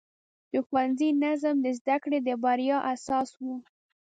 د ښوونځي نظم د زده کړې د بریا اساس و.